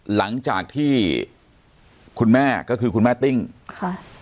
หลังจากที่คุณแม่ก็คือคุณแม่ติ้งค่ะ